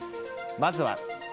まずは。